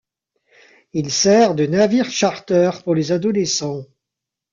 Il sert de navire-charter pour les adolescents.